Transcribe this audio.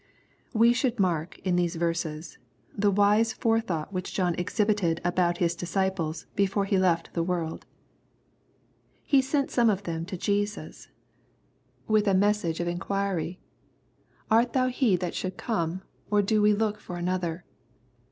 We should mark, in these verses, the wise fore thought which John exhibited about his disciples, before he left the world. He sent some of them to Jesus, with a message LXJKE, CHAP. VII. 215 of inquiry, —" Art thou he that should come, or do we lock for another?"